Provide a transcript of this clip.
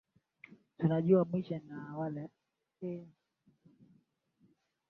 mabadiliko mengi ya kuiga mfano wa Ulaya ya Magharibi akahamisha mji mkuu kutoka Moscow